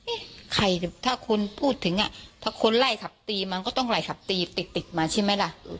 ใครถ้าคนพูดถึงอ่ะถ้าคนไล่ขับตีมันก็ต้องไล่ขับตีติดติดมาใช่ไหมล่ะ